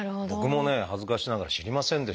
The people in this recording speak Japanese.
僕もね恥ずかしながら知りませんでした。